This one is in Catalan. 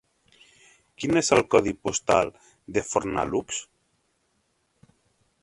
Quin és el codi postal de Fornalutx?